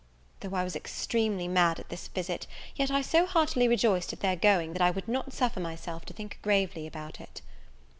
Though I was extremely mad at this visit, yet I so heartily rejoiced at their going, that I would not suffer myself to think gravely about it.